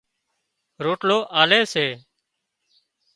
روٽلو آلي سي